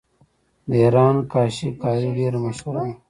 د ایران کاشي کاري ډیره مشهوره ده.